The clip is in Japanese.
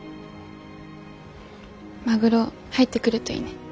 マグロ入ってくるといいね。